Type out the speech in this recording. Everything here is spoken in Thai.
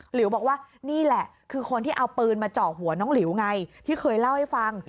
หลิวบอกว่านี่แหละคือคนที่เอาปืนมาเจาะหัวน้องหลิวไงที่เคยเล่าให้ฟัง